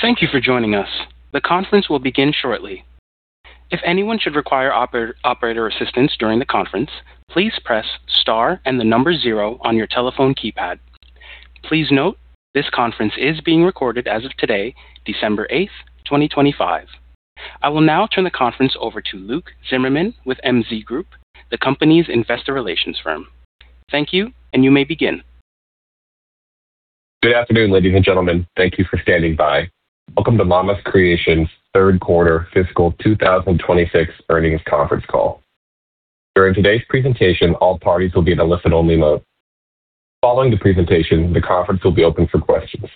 Thank you for joining us. The conference will begin shortly. If anyone should require operator assistance during the conference, please press star and the number zero on your telephone keypad. Please note this conference is being recorded as of today, December 8th, 2025. I will now turn the conference over to Luke Zimmerman with MZ Group, the company's investor relations firm. Thank you, and you may begin. Good afternoon, ladies and gentlemen. Thank you for standing by. Welcome to Mama's Creations' Third Quarter Fiscal 2026 Earnings Conference Call. During today's presentation, all parties will be in a listen-only mode. Following the presentation, the conference will be open for questions.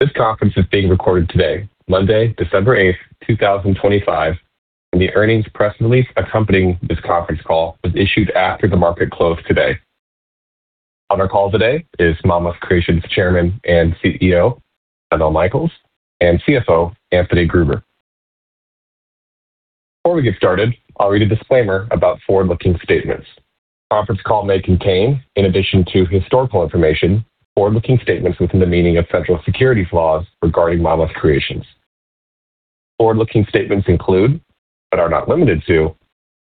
This conference is being recorded today, Monday, December 8th, 2025, and the earnings press release accompanying this conference call was issued after the market closed today. On our call today is Mama's Creations' Chairman and CEO, Adam L. Michaels, and CFO, Anthony Gruber. Before we get started, I'll read a disclaimer about forward-looking statements. The conference call may contain, in addition to historical information, forward-looking statements within the meaning of federal securities laws regarding Mama's Creations. Forward-looking statements include, but are not limited to,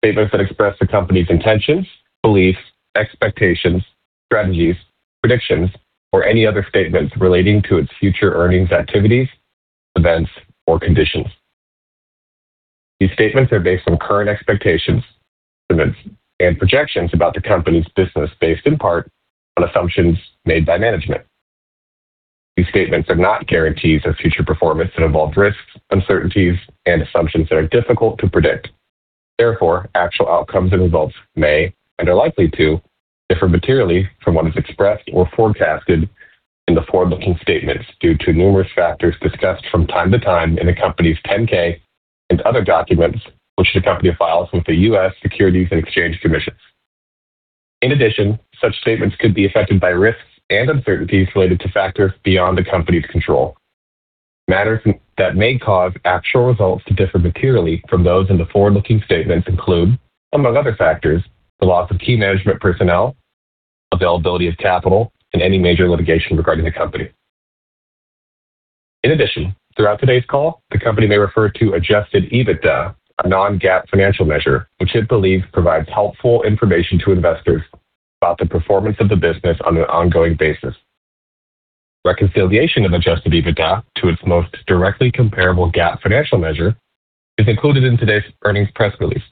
statements that express the company's intentions, beliefs, expectations, strategies, predictions, or any other statements relating to its future earnings activities, events, or conditions. These statements are based on current expectations, estimates, and projections about the company's business based in part on assumptions made by management. These statements are not guarantees of future performance that involve risks, uncertainties, and assumptions that are difficult to predict. Therefore, actual outcomes and results may, and are likely to, differ materially from what is expressed or forecasted in the forward-looking statements due to numerous factors discussed from time to time in the company's 10-K and other documents which the company files with the U.S. Securities and Exchange Commission. In addition, such statements could be affected by risks and uncertainties related to factors beyond the company's control. Matters that may cause actual results to differ materially from those in the forward-looking statements include, among other factors, the loss of key management personnel, availability of capital, and any major litigation regarding the company. In addition, throughout today's call, the company may refer to Adjusted EBITDA, a non-GAAP financial measure, which it believes provides helpful information to investors about the performance of the business on an ongoing basis. Reconciliation of Adjusted EBITDA to its most directly comparable GAAP financial measure is included in today's earnings press release.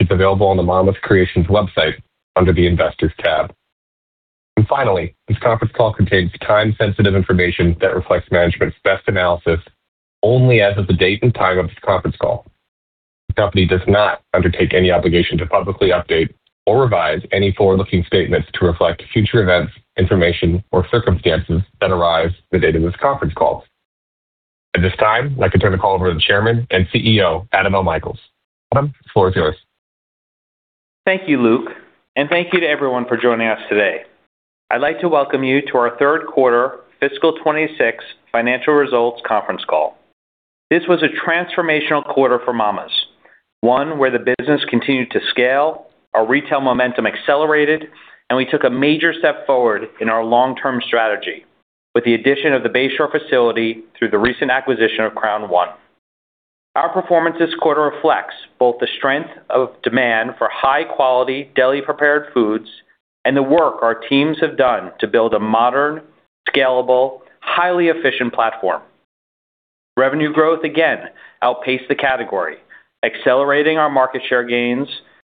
It's available on the Mama's Creations website under the investors tab. And finally, this conference call contains time-sensitive information that reflects management's best analysis only as of the date and time of this conference call. The company does not undertake any obligation to publicly update or revise any forward-looking statements to reflect future events, information, or circumstances that arise the date of this conference call. At this time, I'd like to turn the call over to the Chairman and CEO, Adam L. Michaels. Adam, the floor is yours. Thank you, Luke, and thank you to everyone for joining us today. I'd like to welcome you to our Third Quarter Fiscal 2026 Financial Results Conference Call. This was a transformational quarter for Mama's, one where the business continued to scale, our retail momentum accelerated, and we took a major step forward in our long-term strategy with the addition of the Bay Shore facility through the recent acquisition of Crown One. Our performance this quarter reflects both the strength of demand for high-quality deli-prepared foods and the work our teams have done to build a modern, scalable, highly efficient platform. Revenue growth again outpaced the category, accelerating our market share gains,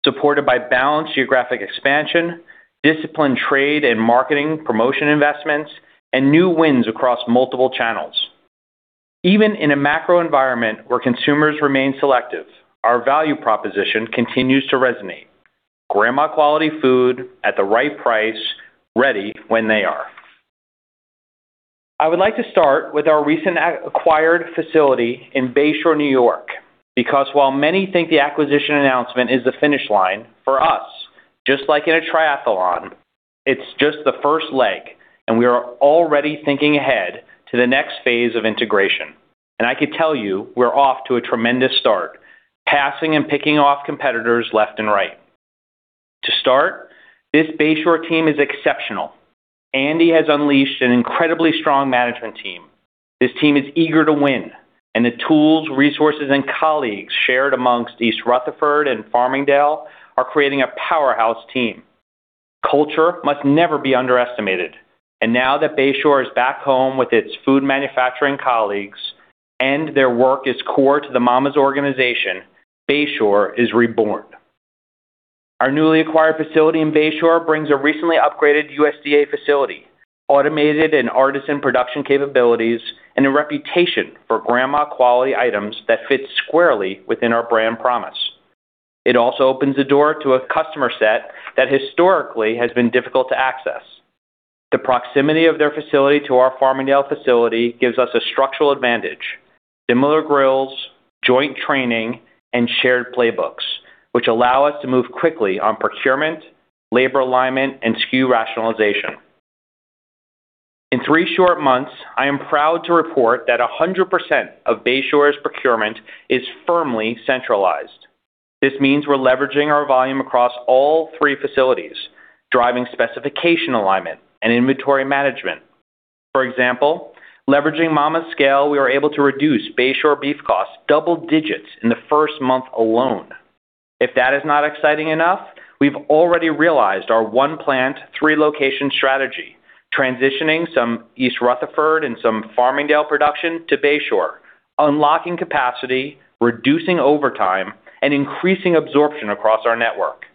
supported by balanced geographic expansion, disciplined trade and marketing promotion investments, and new wins across multiple channels. Even in a macro environment where consumers remain selective, our value proposition continues to resonate: grandma-quality food at the right price, ready when they are. I would like to start with our recent acquired facility in Bay Shore, New York, because while many think the acquisition announcement is the finish line, for us, just like in a triathlon, it's just the first leg, and we are already thinking ahead to the next phase of integration, and I could tell you we're off to a tremendous start, passing and picking off competitors left and right. To start, this Bay Shore team is exceptional. Andy has unleashed an incredibly strong management team. This team is eager to win, and the tools, resources, and colleagues shared amongst East Rutherford and Farmingdale are creating a powerhouse team. Culture must never be underestimated, and now that Bay Shore is back home with its food manufacturing colleagues and their work is core to the Mama's organization, Bay Shore is reborn. Our newly acquired facility in Bay Shore brings a recently upgraded USDA facility, automated and artisan production capabilities, and a reputation for grandma-quality items that fit squarely within our brand promise. It also opens the door to a customer set that historically has been difficult to access. The proximity of their facility to our Farmingdale facility gives us a structural advantage: similar grills, joint training, and shared playbooks, which allow us to move quickly on procurement, labor alignment, and SKU rationalization. In three short months, I am proud to report that 100% of Bay Shore's procurement is firmly centralized. This means we're leveraging our volume across all three facilities, driving specification alignment and inventory management. For example, leveraging Mama's scale, we were able to reduce Bay Shore beef costs double digits in the first month alone. If that is not exciting enough, we've already realized our one-plant, three-location strategy, transitioning some East Rutherford and some Farmingdale production to Bay Shore, unlocking capacity, reducing overtime, and increasing absorption across our network.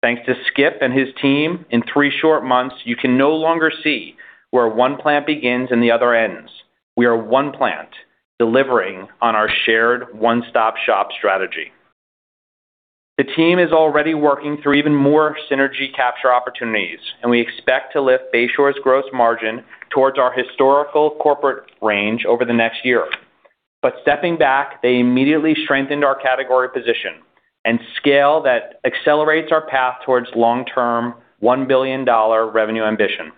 Thanks to Skip and his team, in three short months, you can no longer see where one plant begins and the other ends. We are one-plant, delivering on our shared one-stop-shop strategy. The team is already working through even more synergy capture opportunities, and we expect to lift Bay Shore's gross margin towards our historical corporate range over the next year. But stepping back, they immediately strengthened our category position and scale that accelerates our path towards long-term $1 billion revenue ambition.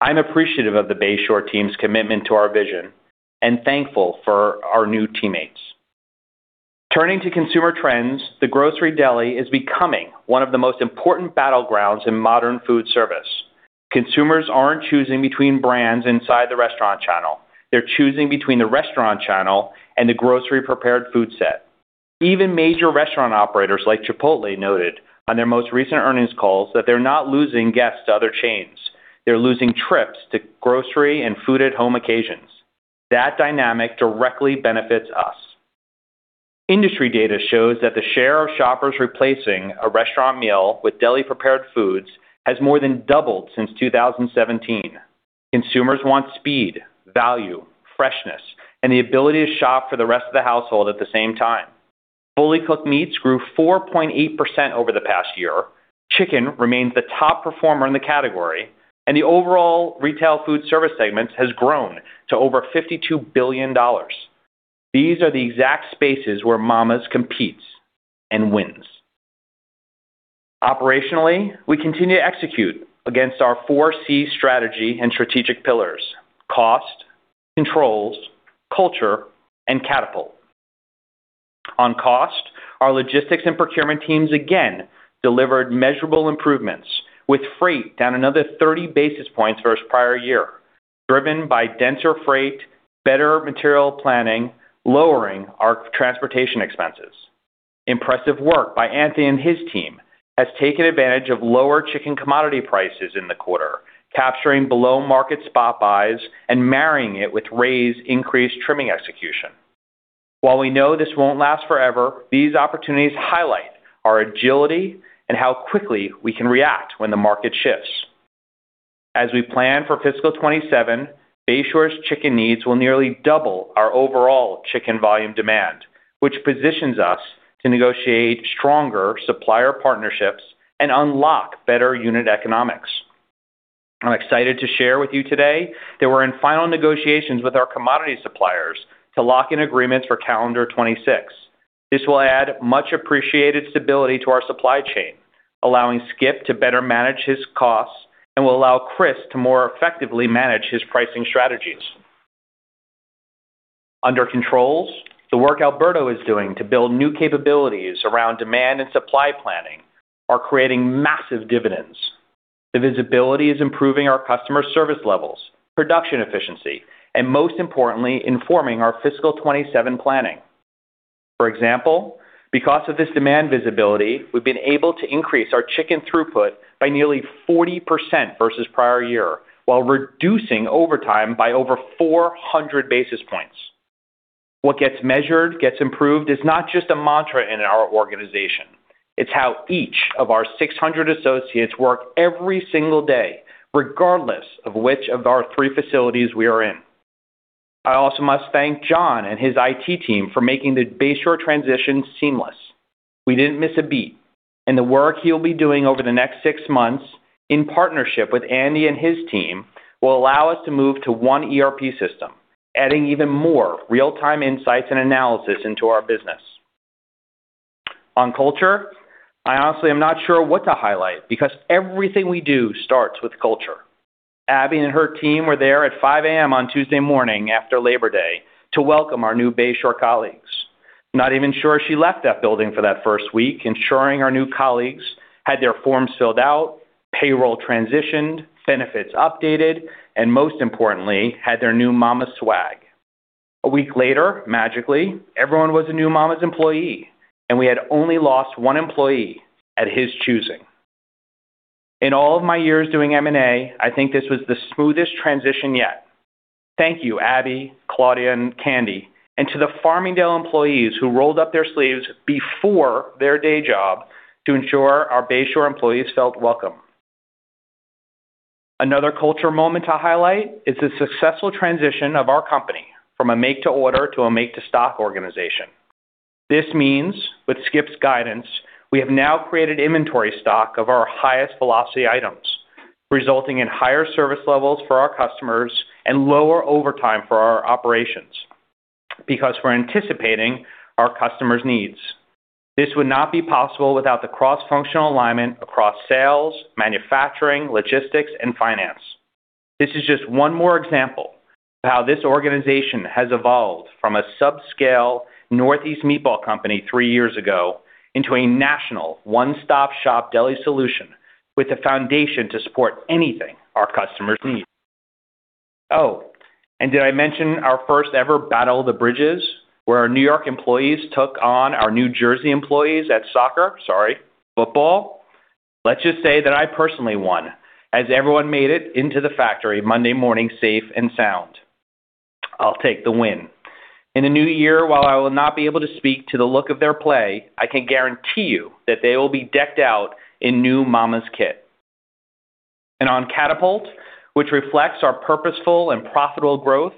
I'm appreciative of the Bay Shore team's commitment to our vision and thankful for our new teammates. Turning to consumer trends, the grocery deli is becoming one of the most important battlegrounds in modern food service. Consumers aren't choosing between brands inside the restaurant channel. They're choosing between the restaurant channel and the grocery-prepared food set. Even major restaurant operators like Chipotle noted on their most recent earnings calls that they're not losing guests to other chains. They're losing trips to grocery and food-at-home occasions. That dynamic directly benefits us. Industry data shows that the share of shoppers replacing a restaurant meal with deli-prepared foods has more than doubled since 2017. Consumers want speed, value, freshness, and the ability to shop for the rest of the household at the same time. Fully cooked meats grew 4.8% over the past year. Chicken remains the top performer in the category, and the overall retail food service segment has grown to over $52 billion. These are the exact spaces where Mama's competes and wins. Operationally, we continue to execute against our Four C Strategy and strategic pillars: Cost, Controls, Culture, and Catapult. On cost, our logistics and procurement teams again delivered measurable improvements, with freight down another 30 basis points versus prior year, driven by denser freight, better material planning, lowering our transportation expenses. Impressive work by Anthony and his team has taken advantage of lower chicken commodity prices in the quarter, capturing below-market spot buys and marrying it with raise, increase, trimming execution. While we know this won't last forever, these opportunities highlight our agility and how quickly we can react when the market shifts. As we plan for fiscal 2027, Bay Shore's chicken needs will nearly double our overall chicken volume demand, which positions us to negotiate stronger supplier partnerships and unlock better unit economics. I'm excited to share with you today that we're in final negotiations with our commodity suppliers to lock in agreements for calendar 2026. This will add much-appreciated stability to our supply chain, allowing Skip to better manage his costs and will allow Chris to more effectively manage his pricing strategies. Under controls, the work Alberto is doing to build new capabilities around demand and supply planning are creating massive dividends. The visibility is improving our customer service levels, production efficiency, and most importantly, informing our fiscal 2027 planning. For example, because of this demand visibility, we've been able to increase our chicken throughput by nearly 40% versus prior year, while reducing overtime by over 400 basis points. What gets measured, gets improved is not just a mantra in our organization. It's how each of our 600 associates work every single day, regardless of which of our three facilities we are in. I also must thank John and his IT team for making the Bay Shore transition seamless. We didn't miss a beat, and the work he'll be doing over the next six months in partnership with Andy and his team will allow us to move to one ERP system, adding even more real-time insights and analysis into our business. On culture, I honestly am not sure what to highlight because everything we do starts with culture. Abby and her team were there at 5:00 A.M. on Tuesday morning after Labor Day to welcome our new Bay Shore colleagues. Not even sure she left that building for that first week, ensuring our new colleagues had their forms filled out, payroll transitioned, benefits updated, and most importantly, had their new Mama swag. A week later, magically, everyone was a new Mama's employee, and we had only lost one employee at his choosing. In all of my years doing M&A, I think this was the smoothest transition yet. Thank you, Abby, Claudia, and Candy, and to the Farmingdale employees who rolled up their sleeves before their day job to ensure our Bay Shore employees felt welcome. Another culture moment to highlight is the successful transition of our company from a make-to-order to a make-to-stock organization. This means with Skip's guidance, we have now created inventory stock of our highest velocity items, resulting in higher service levels for our customers and lower overtime for our operations because we're anticipating our customers' needs. This would not be possible without the cross-functional alignment across sales, manufacturing, logistics, and finance. This is just one more example of how this organization has evolved from a subscale Northeast meatball company three years ago into a national one-stop-shop deli solution with a foundation to support anything our customers need. Oh, and did I mention our first-ever Battle of the Bridges where our New York employees took on our New Jersey employees at soccer, sorry, football? Let's just say that I personally won, as everyone made it into the factory Monday morning safe and sound. I'll take the win. In a new year, while I will not be able to speak to the look of their play, I can guarantee you that they will be decked out in new Mama's kit. And on Catapult, which reflects our purposeful and profitable growth,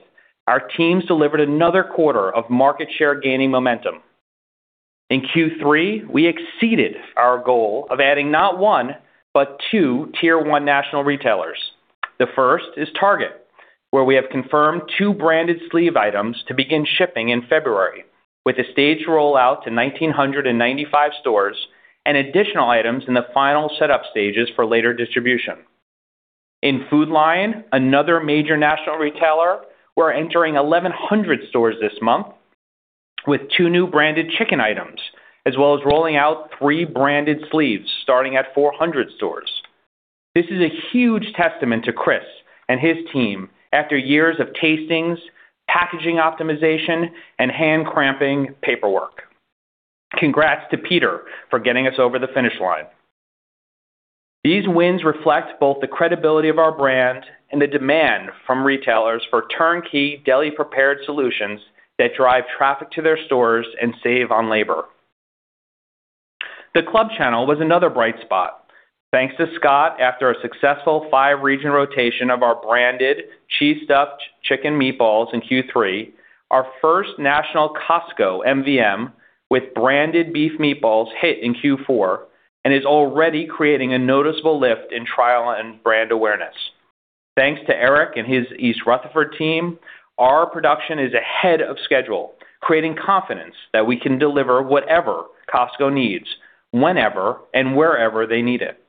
our teams delivered another quarter of market share gaining momentum. In Q3, we exceeded our goal of adding not one, but two tier-one national retailers. The first is Target, where we have confirmed two branded sleeve items to begin shipping in February, with a staged rollout to 1,995 stores and additional items in the final setup stages for later distribution. In Food Lion, another major national retailer, we're entering 1,100 stores this month with two new branded chicken items, as well as rolling out three branded sleeves starting at 400 stores. This is a huge testament to Chris and his team after years of tastings, packaging optimization, and hand-cramping paperwork. Congrats to Peter for getting us over the finish line. These wins reflect both the credibility of our brand and the demand from retailers for turnkey deli-prepared solutions that drive traffic to their stores and save on labor. The Club Channel was another bright spot. Thanks to Scott after a successful five-region rotation of our branded cheese-stuffed chicken meatballs in Q3, our first national Costco MVM with branded beef meatballs hit in Q4 and is already creating a noticeable lift in trial and brand awareness. Thanks to Eric and his East Rutherford team, our production is ahead of schedule, creating confidence that we can deliver whatever Costco needs, whenever, and wherever they need it.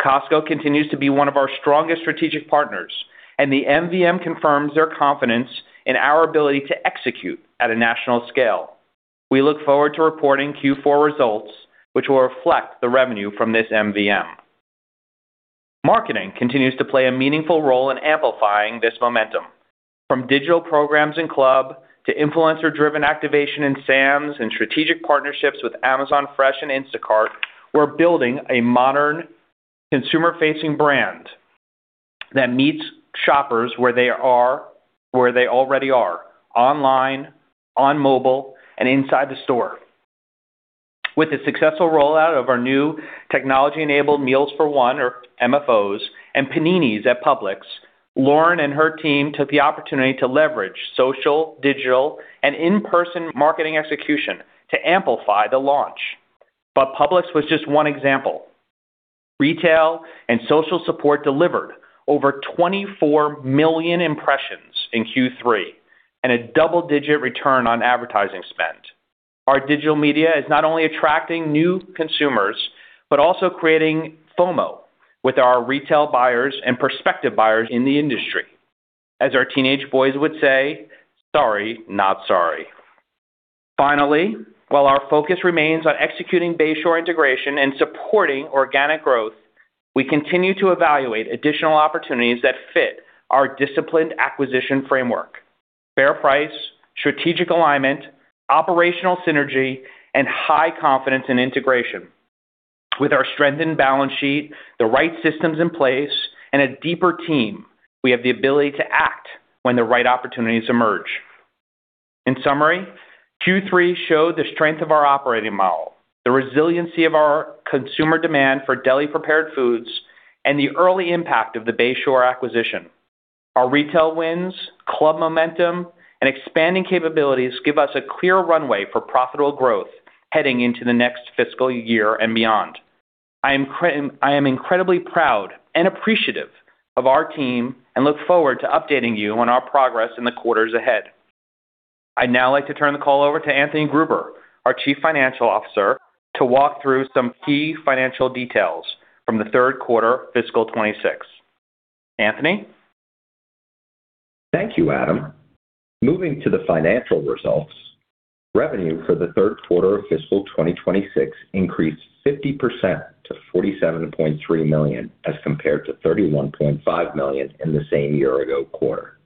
Costco continues to be one of our strongest strategic partners, and the MVM confirms their confidence in our ability to execute at a national scale. We look forward to reporting Q4 results, which will reflect the revenue from this MVM. Marketing continues to play a meaningful role in amplifying this momentum. From digital programs and clubs to influencer-driven activation and Sam's Club and strategic partnerships with Amazon Fresh and Instacart, we're building a modern consumer-facing brand that meets shoppers where they already are: online, on mobile, and inside the store. With the successful rollout of our new technology-enabled Meals for One, or MFOs, and paninis at Publix, Lauren and her team took the opportunity to leverage social, digital, and in-person marketing execution to amplify the launch. But Publix was just one example. Retail and social support delivered over 24 million impressions in Q3 and a double-digit return on advertising spend. Our digital media is not only attracting new consumers but also creating FOMO with our retail buyers and prospective buyers in the industry. As our teenage boys would say, "Sorry, not sorry." Finally, while our focus remains on executing Bay Shore integration and supporting organic growth, we continue to evaluate additional opportunities that fit our disciplined acquisition framework: fair price, strategic alignment, operational synergy, and high confidence in integration. With our strengthened balance sheet, the right systems in place, and a deeper team, we have the ability to act when the right opportunities emerge. In summary, Q3 showed the strength of our operating model, the resiliency of our consumer demand for deli-prepared foods, and the early impact of the Bay Shore acquisition. Our retail wins, club momentum, and expanding capabilities give us a clear runway for profitable growth heading into the next fiscal year and beyond. I am incredibly proud and appreciative of our team and look forward to updating you on our progress in the quarters ahead. I'd now like to turn the call over to Anthony Gruber, our Chief Financial Officer, to walk through some key financial details from the third quarter of fiscal 2026. Anthony? Thank you, Adam. Moving to the financial results, revenue for the third quarter of fiscal 2026 increased 50% to $47.3 million as compared to $31.5 million in the same year-ago quarter.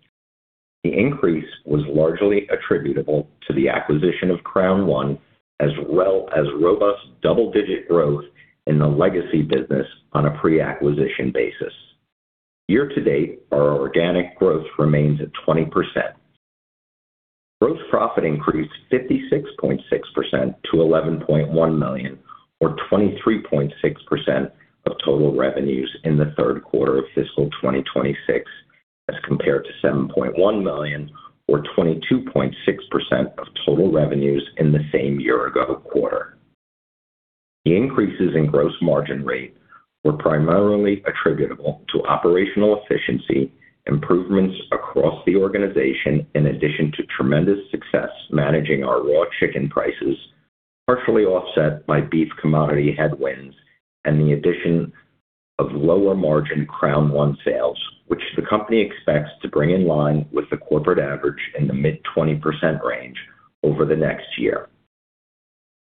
The increase was largely attributable to the acquisition of Crown One, as well as robust double-digit growth in the legacy business on a pre-acquisition basis. Year-to-date, our organic growth remains at 20%. Gross profit increased 56.6% to $11.1 million, or 23.6% of total revenues in the third quarter of fiscal 2026, as compared to $7.1 million, or 22.6% of total revenues in the same year-ago quarter. The increases in gross margin rate were primarily attributable to operational efficiency, improvements across the organization, in addition to tremendous success managing our raw chicken prices, partially offset by beef commodity headwinds and the addition of lower margin Crown One sales, which the company expects to bring in line with the corporate average in the mid-20% range over the next year.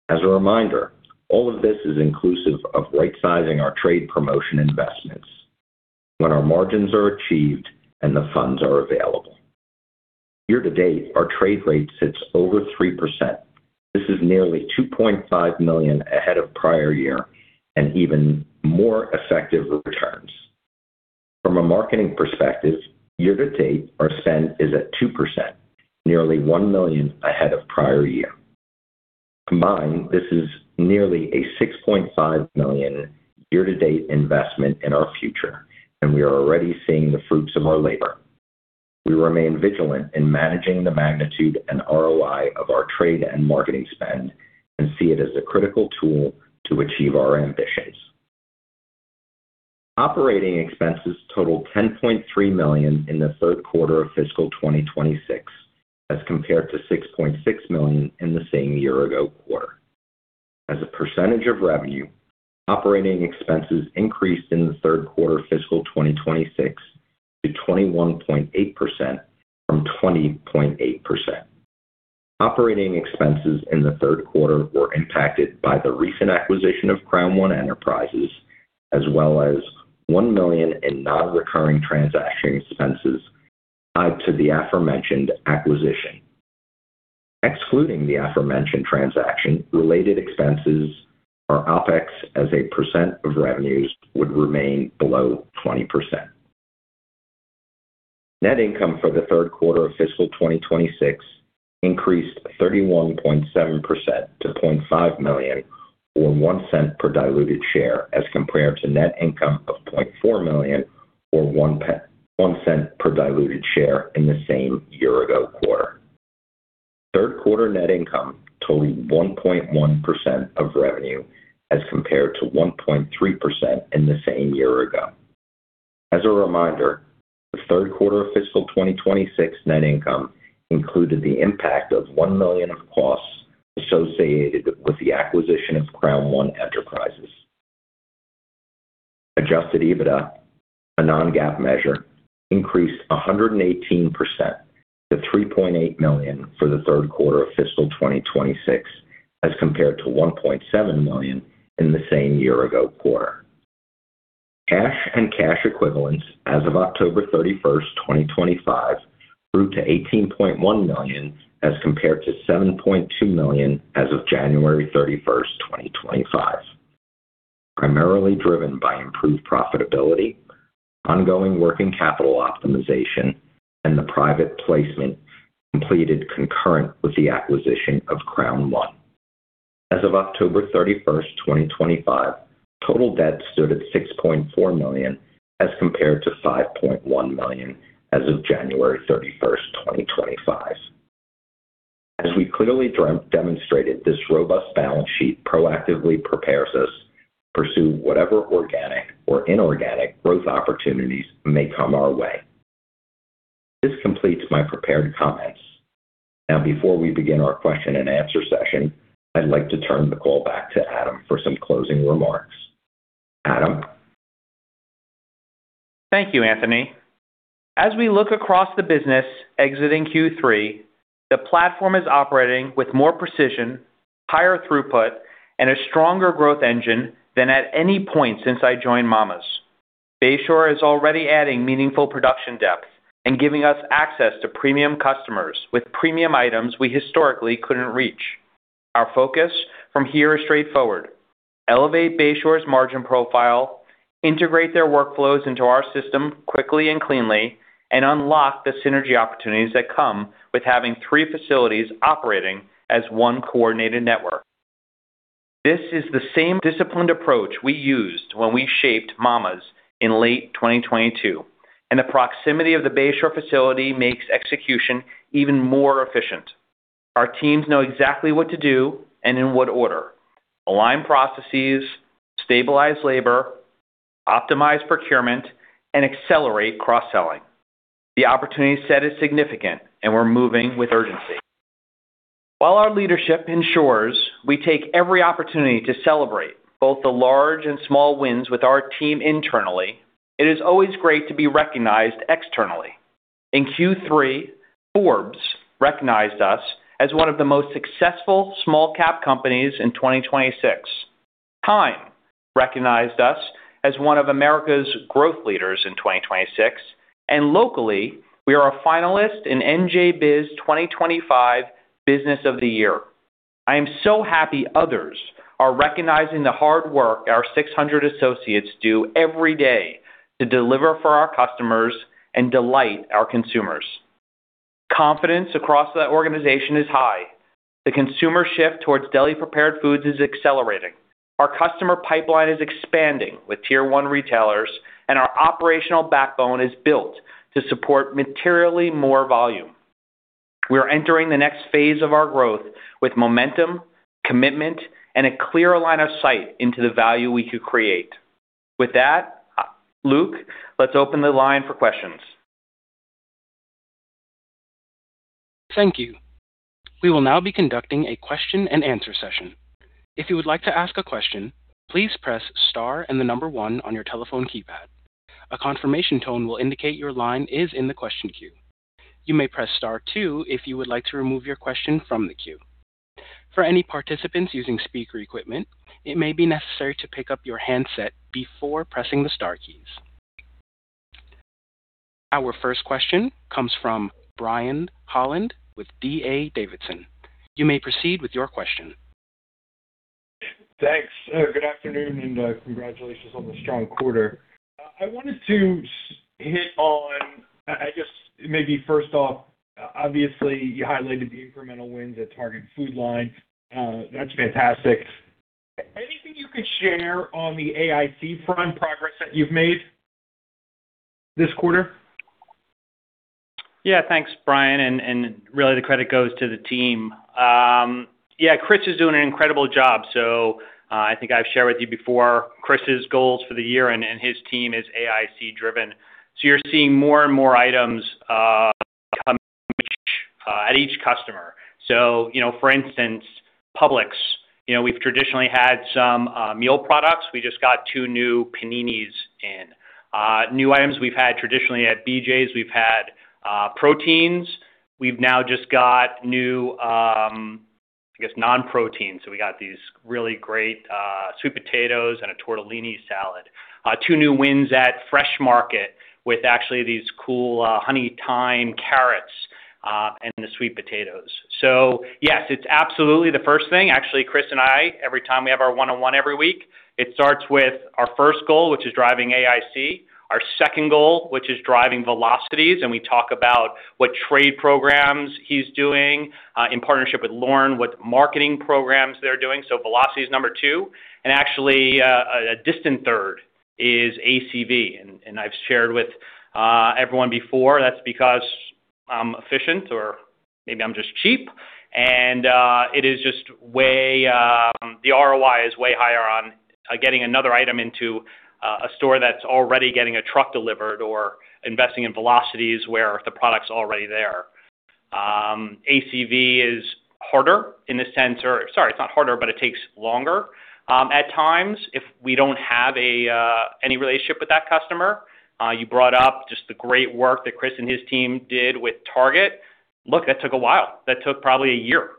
As a reminder, all of this is inclusive of right-sizing our trade promotion investments when our margins are achieved and the funds are available. Year-to-date, our trade rate sits over 3%. This is nearly $2.5 million ahead of prior year and even more effective returns. From a marketing perspective, year-to-date, our spend is at 2%, nearly $1 million ahead of prior year. Combined, this is nearly a $6.5 million year-to-date investment in our future, and we are already seeing the fruits of our labor. We remain vigilant in managing the magnitude and ROI of our trade and marketing spend and see it as a critical tool to achieve our ambitions. Operating expenses totaled $10.3 million in the third quarter of fiscal 2026, as compared to $6.6 million in the same year-ago quarter. As a percentage of revenue, operating expenses increased in the third quarter fiscal 2026 to 21.8% from 20.8%. Operating expenses in the third quarter were impacted by the recent acquisition of Crown One Enterprises, as well as $1 million in non-recurring transaction expenses tied to the aforementioned acquisition. Excluding the aforementioned transaction-related expenses, our OpEx as a percent of revenues would remain below 20%. Net income for the third quarter of fiscal 2026 increased 31.7% to $0.5 million, or $0.01 per diluted share, as compared to net income of $0.4 million, or $0.01 per diluted share in the same year-ago quarter. Third quarter net income totaled 1.1% of revenue, as compared to 1.3% in the same year-ago quarter. As a reminder, the third quarter of fiscal 2026 net income included the impact of $1 million of costs associated with the acquisition of Crown One Enterprises. Adjusted EBITDA, a non-GAAP measure, increased 118% to $3.8 million for the third quarter of fiscal 2026, as compared to $1.7 million in the same year-ago quarter. Cash and cash equivalents, as of October 31st, 2025, grew to $18.1 million, as compared to $7.2 million as of January 31st, 2025. Primarily driven by improved profitability, ongoing working capital optimization, and the private placement completed concurrent with the acquisition of Crown One. As of October 31st, 2025, total debt stood at $6.4 million, as compared to $5.1 million as of January 31st, 2025. As we clearly demonstrated, this robust balance sheet proactively prepares us to pursue whatever organic or inorganic growth opportunities may come our way. This completes my prepared comments. Now, before we begin our question-and-answer session, I'd like to turn the call back to Adam for some closing remarks. Adam? Thank you, Anthony. As we look across the business exiting Q3, the platform is operating with more precision, higher throughput, and a stronger growth engine than at any point since I joined Mama's. Bay Shore is already adding meaningful production depth and giving us access to premium customers with premium items we historically couldn't reach. Our focus from here is straightforward: elevate Bay Shore's margin profile, integrate their workflows into our system quickly and cleanly, and unlock the synergy opportunities that come with having three facilities operating as one coordinated network. This is the same disciplined approach we used when we shaped Mama's in late 2022, and the proximity of the Bay Shore facility makes execution even more efficient. Our teams know exactly what to do and in what order: align processes, stabilize labor, optimize procurement, and accelerate cross-selling. The opportunity set is significant, and we're moving with urgency. While our leadership ensures we take every opportunity to celebrate both the large and small wins with our team internally, it is always great to be recognized externally. In Q3, Forbes recognized us as one of the most successful small-cap companies in 2026. TIME recognized us as one of America's growth leaders in 2026, and locally, we are a finalist in NJBIZ 2025 Business of the Year. I am so happy others are recognizing the hard work our 600 associates do every day to deliver for our customers and delight our consumers. Confidence across the organization is high. The consumer shift towards deli-prepared foods is accelerating. Our customer pipeline is expanding with tier-one retailers, and our operational backbone is built to support materially more volume. We are entering the next phase of our growth with momentum, commitment, and a clear line of sight into the value we could create. With that, Luke, let's open the line for questions. Thank you. We will now be conducting a question-and-answer session. If you would like to ask a question, please press Star and the number 1 on your telephone keypad. A confirmation tone will indicate your line is in the question queue. You may press Star 2 if you would like to remove your question from the queue. For any participants using speaker equipment, it may be necessary to pick up your handset before pressing the Star keys. Our first question comes from Brian Holland with D.A. Davidson. You may proceed with your question. Thanks. Good afternoon and congratulations on the strong quarter. I wanted to hit on, I guess, maybe first off, obviously, you highlighted the incremental wins at Target, Food Lion. That's fantastic. Anything you could share on the AIC front progress that you've made this quarter? Yeah. Thanks, Brian. And really, the credit goes to the team. Yeah, Chris is doing an incredible job. So I think I've shared with you before, Chris's goals for the year and his team is AIC-driven. So you're seeing more and more items come at each customer. So for instance, Publix, we've traditionally had some meal products. We just got two new paninis in. New items we've had traditionally at BJ's. We've had proteins. We've now just got new, I guess, non-proteins. So we got these really great sweet potatoes and a tortellini salad. Two new wins at Fresh Market with actually these cool honey-thyme carrots and the sweet potatoes. So yes, it's absolutely the first thing. Actually, Chris and I, every time we have our one-on-one every week, it starts with our first goal, which is driving AIC. Our second goal, which is driving velocities, and we talk about what trade programs he's doing in partnership with Lauren, what marketing programs they're doing. So velocity is number two. And actually, a distant third is ACV. And I've shared with everyone before, that's because I'm efficient, or maybe I'm just cheap. And it is just way the ROI is way higher on getting another item into a store that's already getting a truck delivered or investing in velocity where the product's already there. ACV is harder in the sense or sorry, it's not harder, but it takes longer at times if we don't have any relationship with that customer. You brought up just the great work that Chris and his team did with Target. Look, that took a while. That took probably a year.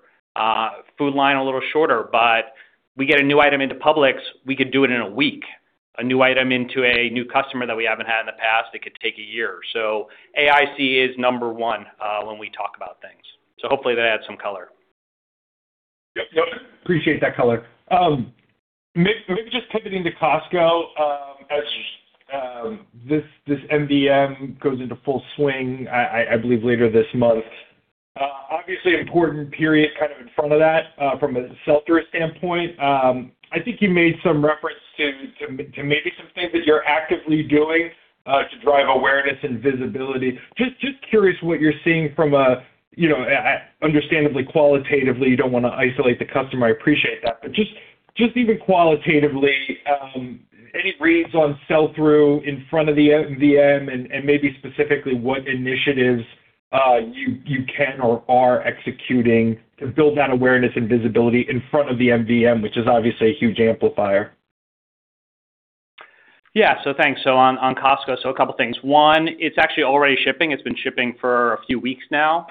Food Lion, a little shorter, but we get a new item into Publix, we could do it in a week. A new item into a new customer that we haven't had in the past, it could take a year. So AIC is number one when we talk about things. So hopefully, that adds some color. Yep. Yep. Appreciate that color. Maybe just pivoting to Costco, as this MVM goes into full swing, I believe, later this month. Obviously, important period kind of in front of that from a sell-through standpoint. I think you made some reference to maybe some things that you're actively doing to drive awareness and visibility. Just curious what you're seeing from an understandably qualitative standpoint. You don't want to isolate the customer. I appreciate that. But just even qualitatively, any reads on sell-through in front of the MVM, and maybe specifically what initiatives you can or are executing to build that awareness and visibility in front of the MVM, which is obviously a huge amplifier. Yeah. So thanks. So on Costco, so a couple of things. One, it's actually already shipping. It's been shipping for a few weeks now.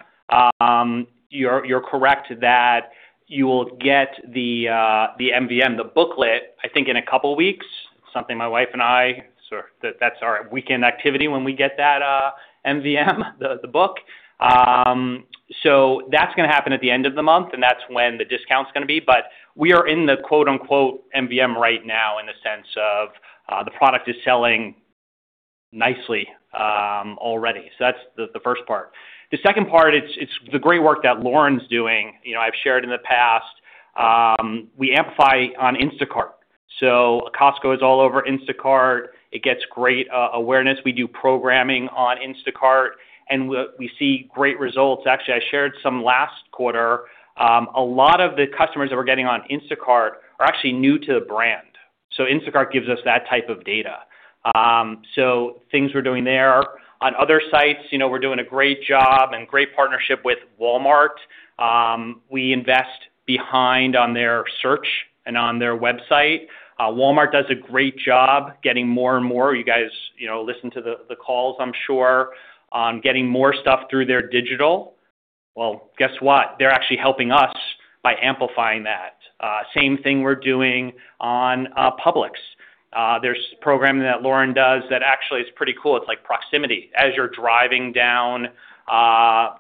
You're correct that you will get the MVM, the booklet, I think, in a couple of weeks. Something my wife and I sort of that's our weekend activity when we get that MVM, the book. So that's going to happen at the end of the month, and that's when the discount's going to be. But we are in the quote-unquote "MVM" right now in the sense of the product is selling nicely already. So that's the first part. The second part, it's the great work that Lauren's doing. I've shared in the past. We amplify on Instacart. So Costco is all over Instacart. It gets great awareness. We do programming on Instacart, and we see great results. Actually, I shared some last quarter. A lot of the customers that we're getting on Instacart are actually new to the brand. So Instacart gives us that type of data. Things we're doing there. On other sites, we're doing a great job and great partnership with Walmart. We invest behind on their search and on their website. Walmart does a great job getting more and more. You guys listen to the calls, I'm sure, on getting more stuff through their digital. Well, guess what? They're actually helping us by amplifying that. Same thing we're doing on Publix. There's programming that Lauren does that actually is pretty cool. It's like proximity. As you're driving down, was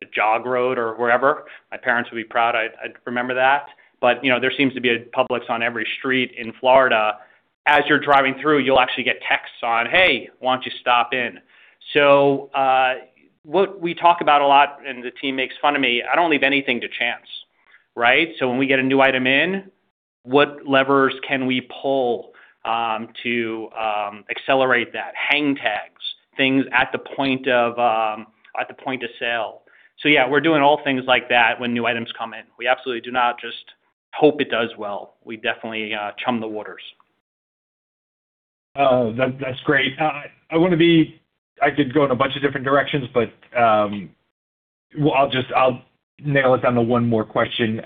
it Jog Road or wherever? My parents would be proud. I'd remember that. But there seems to be a Publix on every street in Florida. As you're driving through, you'll actually get texts on, "Hey, why don't you stop in?" So what we talk about a lot, and the team makes fun of me, I don't leave anything to chance, right? When we get a new item in, what levers can we pull to accelerate that? Hang tags, things at the point of sale. Yeah, we're doing all things like that when new items come in. We absolutely do not just hope it does well. We definitely chum the waters. That's great. I could go in a bunch of different directions, but I'll just nail it down to one more question.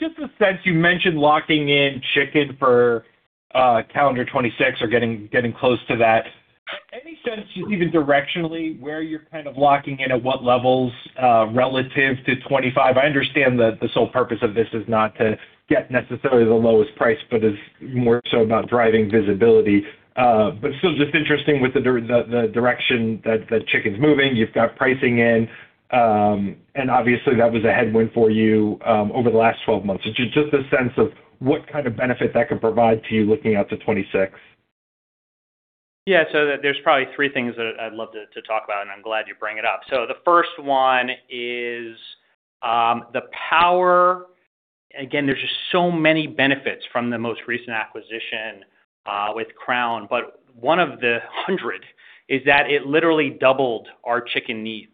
Just a sense, you mentioned locking in chicken for calendar 2026 or getting close to that. Any sense, just even directionally, where you're kind of locking in at what levels relative to 2025? I understand that the sole purpose of this is not to get necessarily the lowest price, but it's more so about driving visibility. But still, it's just interesting with the direction that chicken's moving. You've got pricing in, and obviously, that was a headwind for you over the last 12 months. Just a sense of what kind of benefit that could provide to you looking out to 2026. Yeah. So there's probably three things that I'd love to talk about, and I'm glad you bring it up. So the first one is the power. Again, there's just so many benefits from the most recent acquisition with Crown, but one of a hundred is that it literally doubled our chicken needs.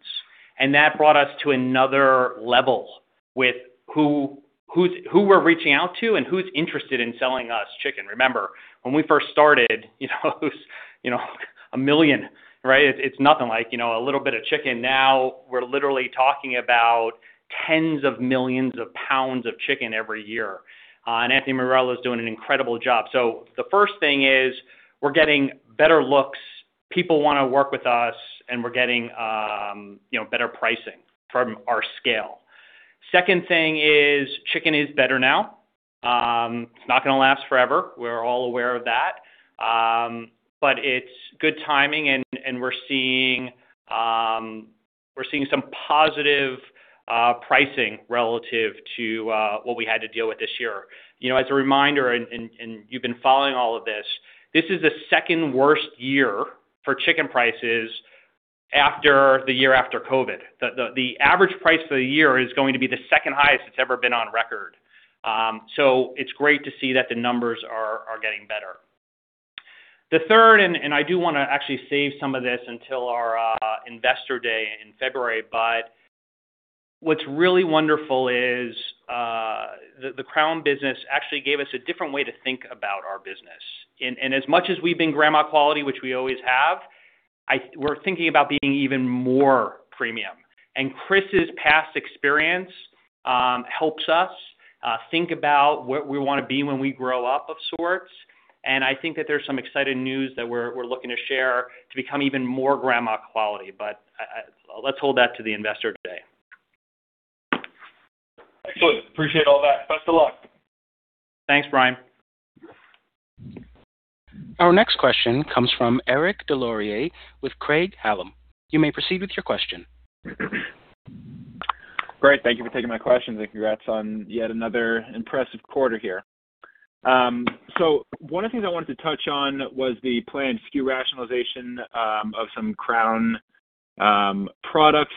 And that brought us to another level with who we're reaching out to and who's interested in selling us chicken. Remember, when we first started, it was a million, right? It's nothing like a little bit of chicken. Now we're literally talking about tens of millions of pounds of chicken every year. And Anthony Morello is doing an incredible job. So the first thing is we're getting better looks. People want to work with us, and we're getting better pricing from our scale. Second thing is chicken is better now. It's not going to last forever. We're all aware of that. But it's good timing, and we're seeing some positive pricing relative to what we had to deal with this year. As a reminder, and you've been following all of this, this is the second worst year for chicken prices after the year after COVID. The average price for the year is going to be the second highest it's ever been on record. So it's great to see that the numbers are getting better. The third, and I do want to actually save some of this until our investor day in February, but what's really wonderful is the Crown business actually gave us a different way to think about our business. And as much as we've been grandma quality, which we always have, we're thinking about being even more premium. And Chris's past experience helps us think about where we want to be when we grow up of sorts. And I think that there's some exciting news that we're looking to share to become even more grandma quality, but let's hold that to the investor day. Excellent. Appreciate all that. Best of luck. Thanks, Brian. Our next question comes from Eric Des Lauriers with Craig-Hallum. You may proceed with your question. Great. Thank you for taking my questions, and congrats on yet another impressive quarter here. So one of the things I wanted to touch on was the planned SKU rationalization of some Crown products.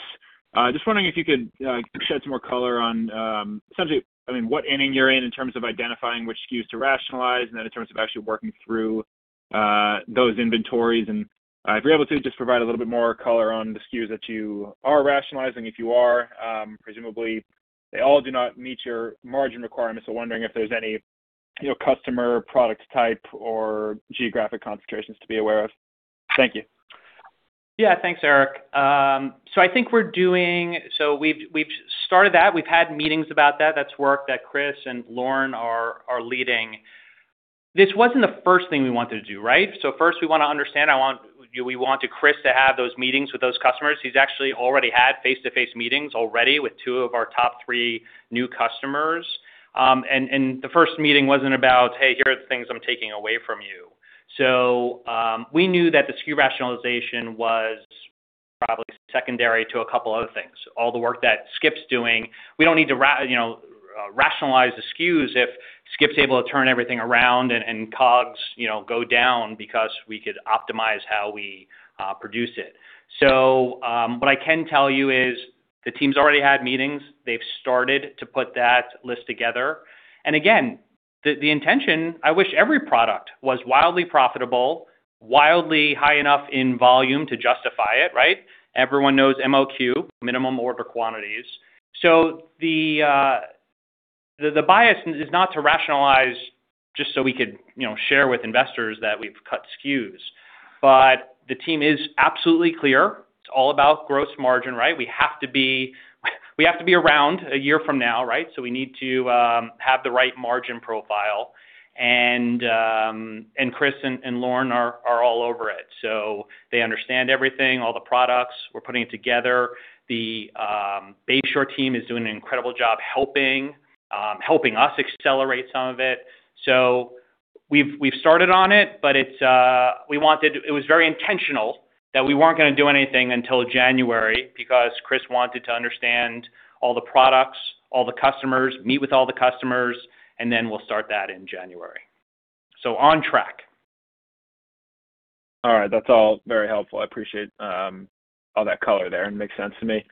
Just wondering if you could shed some more color on essentially, I mean, what stage you're in in terms of identifying which SKUs to rationalize, and then in terms of actually working through those inventories. And if you're able to, just provide a little bit more color on the SKUs that you are rationalizing. If you are, presumably, they all do not meet your margin requirements, so wondering if there's any customer product type or geographic concentrations to be aware of. Thank you. Yeah. Thanks, Eric. So I think we're doing. So we've started that. We've had meetings about that. That's work that Chris and Lauren are leading. This wasn't the first thing we wanted to do, right? So first, we want to understand. We wanted Chris to have those meetings with those customers. He's actually already had face-to-face meetings already with two of our top three new customers. And the first meeting wasn't about, "Hey, here are the things I'm taking away from you." So we knew that the SKU rationalization was probably secondary to a couple of other things. All the work that Skip's doing, we don't need to rationalize the SKUs if Skip's able to turn everything around and COGS go down because we could optimize how we produce it. So what I can tell you is the team's already had meetings. They've started to put that list together. And again, the intention, I wish every product was wildly profitable, wildly high enough in volume to justify it, right? Everyone knows MOQ, minimum order quantities. So the bias is not to rationalize just so we could share with investors that we've cut SKUs. But the team is absolutely clear. It's all about gross margin, right? We have to be around a year from now, right? So we need to have the right margin profile. And Chris and Lauren are all over it. So they understand everything, all the products. We're putting it together. The Bay Shore team is doing an incredible job helping us accelerate some of it. So we've started on it, but we wanted it was very intentional that we weren't going to do anything until January because Chris wanted to understand all the products, all the customers, meet with all the customers, and then we'll start that in January. So on track. All right. That's all very helpful. I appreciate all that color there and makes sense to me.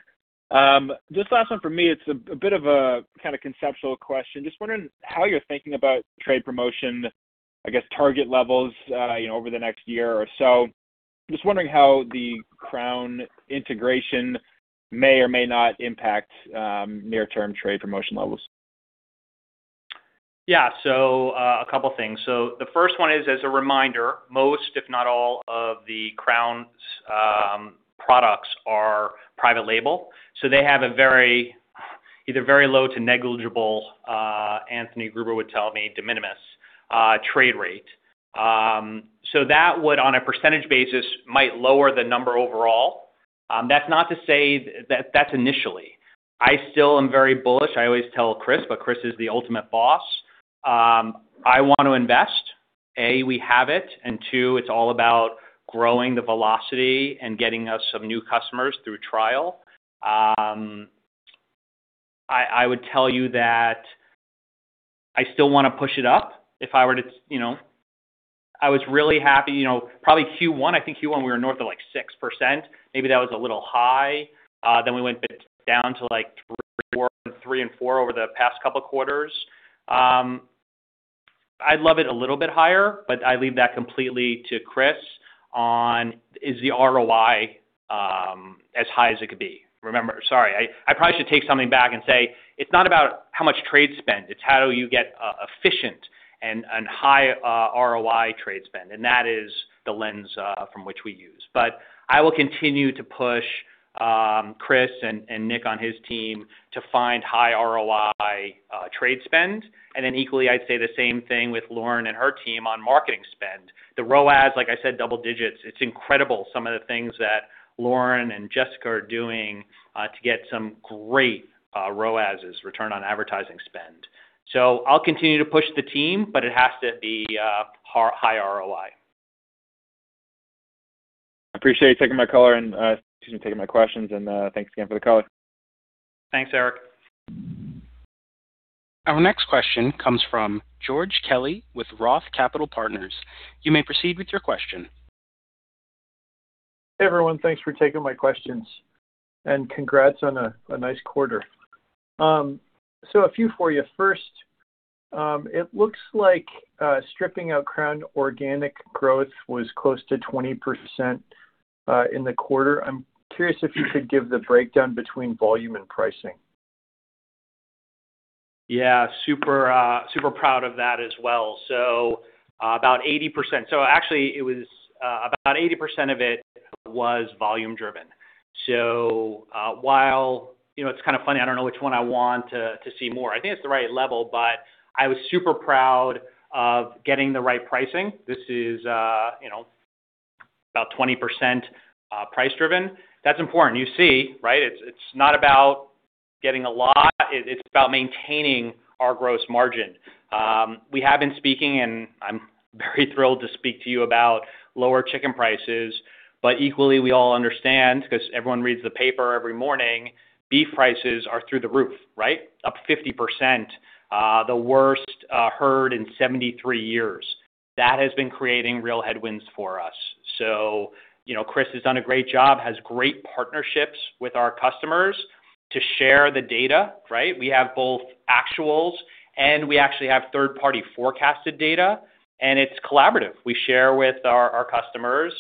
Just last one for me. It's a bit of a kind of conceptual question. Just wondering how you're thinking about trade promotion, I guess, target levels over the next year or so. Just wondering how the Crown integration may or may not impact near-term trade promotion levels. Yeah. So a couple of things. So the first one is, as a reminder, most, if not all, of the Crown's products are private label. So they have a very either very low to negligible, Anthony Gruber would tell me, de minimis trade rate. So that would, on a percentage basis, might lower the number overall. That's not to say that that's initially. I still am very bullish. I always tell Chris, but Chris is the ultimate boss. I want to invest. A, we have it. And two, it's all about growing the velocity and getting us some new customers through trial. I would tell you that I still want to push it up. If I were to, I was really happy. Probably Q1, I think Q1, we were north of like 6%. Maybe that was a little high. Then we went down to like 3% and 4% over the past couple of quarters. I'd love it a little bit higher, but I leave that completely to Chris on, is the ROI as high as it could be. Remember, sorry. I probably should take something back and say it's not about how much trade spend. It's how do you get efficient and high ROI trade spend. And that is the lens from which we use. But I will continue to push Chris and Nick on his team to find high ROI trade spend. And then equally, I'd say the same thing with Lauren and her team on marketing spend. The ROAS, like I said, double digits. It's incredible some of the things that Lauren and Jessica are doing to get some great ROAS, return on advertising spend. So I'll continue to push the team, but it has to be high ROI. I appreciate you taking my color and excuse me, taking my questions. And thanks again for the call. Thanks, Eric. Our next question comes from George Kelly with Roth Capital Partners. You may proceed with your question. Hey, everyone. Thanks for taking my questions. And congrats on a nice quarter. So a few for you. First, it looks like stripping out Crown organic growth was close to 20% in the quarter. I'm curious if you could give the breakdown between volume and pricing. Yeah. Super proud of that as well. So about 80%. So actually, it was about 80% of it was volume-driven. So while it's kind of funny, I don't know which one I want to see more. I think it's the right level, but I was super proud of getting the right pricing. This is about 20% price-driven. That's important. You see, right? It's not about getting a lot. It's about maintaining our gross margin. We have been speaking, and I'm very thrilled to speak to you about lower chicken prices. But equally, we all understand because everyone reads the paper every morning, beef prices are through the roof, right? Up 50%. The worst herd in 73 years. That has been creating real headwinds for us. So Chris has done a great job, has great partnerships with our customers to share the data, right? We have both actuals, and we actually have third-party forecasted data. And it's collaborative. We share with our customers.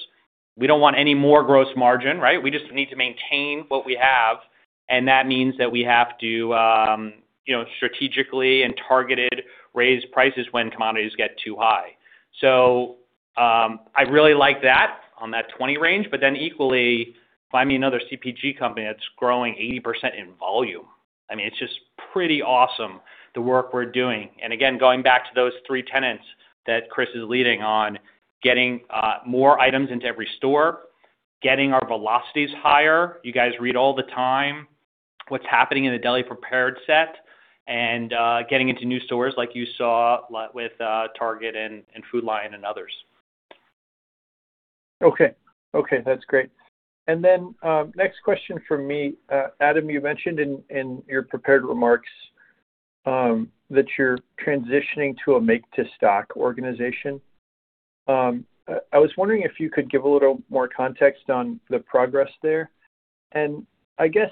We don't want any more gross margin, right? We just need to maintain what we have. And that means that we have to strategically and targeted raise prices when commodities get too high. So I really like that on that 20 range. But then equally, buy me another CPG company that's growing 80% in volume. I mean, it's just pretty awesome, the work we're doing. And again, going back to those three tenets that Chris is leading on, getting more items into every store, getting our velocities higher. You guys read all the time what's happening in the deli prepared set and getting into new stores like you saw with Target and Food Lion and others. Okay. Okay. That's great. And then next question for me. Adam, you mentioned in your prepared remarks that you're transitioning to a make-to-stock organization. I was wondering if you could give a little more context on the progress there. I guess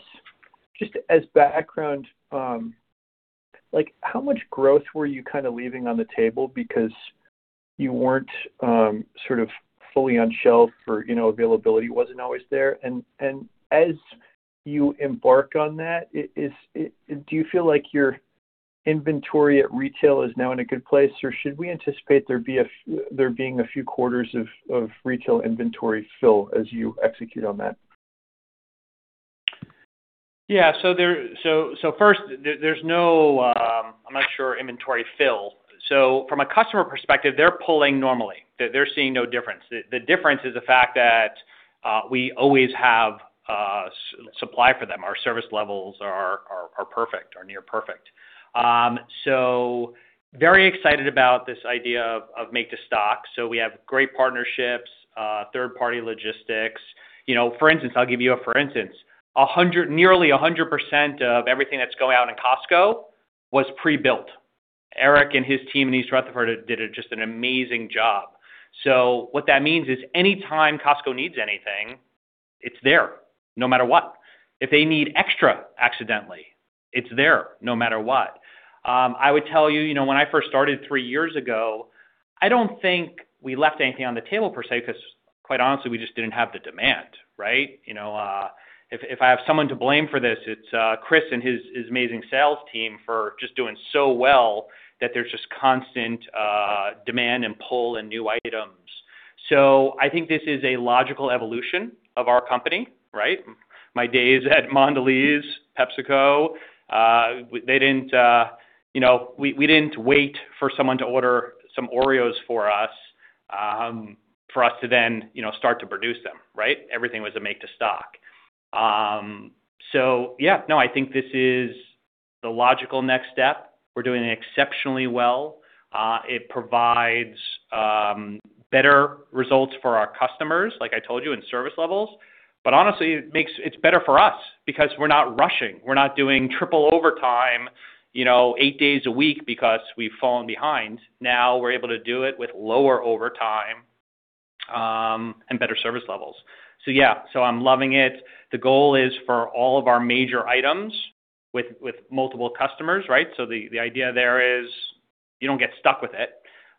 just as background, how much growth were you kind of leaving on the table because you weren't sort of fully on shelf or availability wasn't always there? As you embark on that, do you feel like your inventory at retail is now in a good place, or should we anticipate there being a few quarters of retail inventory fill as you execute on that? Yeah. First, there's no, I'm not sure, inventory fill. From a customer perspective, they're pulling normally. They're seeing no difference. The difference is the fact that we always have supply for them. Our service levels are perfect or near perfect. Very excited about this idea of make-to-stock. We have great partnerships, third-party logistics. For instance, I'll give you a for instance. Nearly 100% of everything that's going out in Costco was pre-built. Eric and his team in East Rutherford did just an amazing job. So what that means is anytime Costco needs anything, it's there no matter what. If they need extra accidentally, it's there no matter what. I would tell you when I first started three years ago, I don't think we left anything on the table per se because, quite honestly, we just didn't have the demand, right? If I have someone to blame for this, it's Chris and his amazing sales team for just doing so well that there's just constant demand and pull and new items. So I think this is a logical evolution of our company, right? My days at Mondelēz, PepsiCo, they didn't. We didn't wait for someone to order some Oreos for us to then start to produce them, right? Everything was a make-to-stock. So yeah, no, I think this is the logical next step. We're doing exceptionally well. It provides better results for our customers, like I told you, and service levels. But honestly, it's better for us because we're not rushing. We're not doing triple overtime eight days a week because we've fallen behind. Now we're able to do it with lower overtime and better service levels. So yeah, so I'm loving it. The goal is for all of our major items with multiple customers, right? So the idea there is you don't get stuck with it.